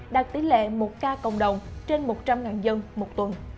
đạt tỷ lệ một ca cộng đồng trên một trăm linh dân một tuần